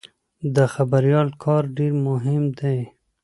د خبریال کار ډېر مهم دی.